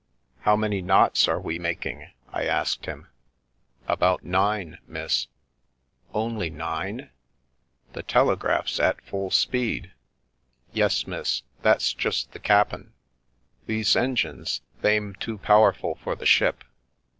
"How many knots are we making?" I asked him. u About nine, miss." "Only nine? The telegraph's at full speed!" "Yes, miss, that's just the cap'en. These engines, they*m too powerful for the ship.